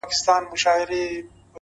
o جلوه مخي په گودر دي اموخته کړم ـ